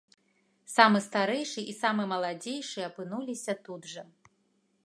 Самы старэйшы і самы маладзейшы апынуліся тут жа.